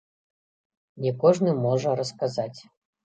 Не кожны можа расказаць.